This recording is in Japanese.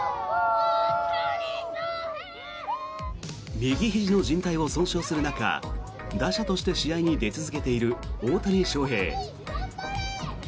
右ひじのじん帯を損傷する中打者として試合に出続けている大谷翔平。